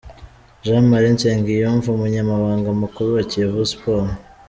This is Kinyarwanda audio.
Jean Marie Nsengiyumva, umunyamabanga mukuru wa Kiyovu Sport.